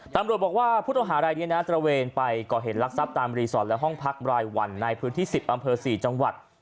ตำรวจบอกว่าผู้ต้องหารายนี้นะตระเวนไปก่อเหตุลักษัพตามรีสอร์ทและห้องพักรายวันในพื้นที่๑๐อำเภอ๔จังหวัด